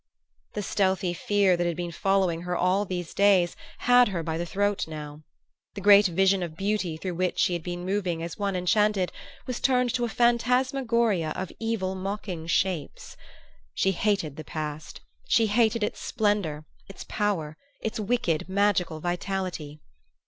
The stealthy fear that had been following her all these days had her by the throat now. The great vision of beauty through which she had been moving as one enchanted was turned to a phantasmagoria of evil mocking shapes. She hated the past; she hated its splendor, its power, its wicked magical vitality....